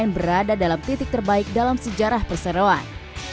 yang berada dalam titik terbaik dalam sejarah perseroan